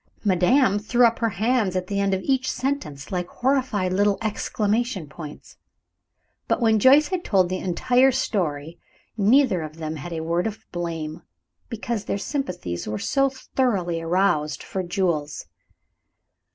Madame threw up her hands at the end of each sentence like horrified little exclamation points. But when Joyce had told the entire story neither of them had a word of blame, because their sympathies were so thoroughly aroused for Jules.